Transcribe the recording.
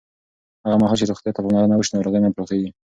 هغه مهال چې روغتیا ته پاملرنه وشي، ناروغۍ نه پراخېږي.